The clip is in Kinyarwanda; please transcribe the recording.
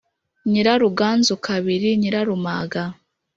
nyiraruganzu kabiri nyirarumaga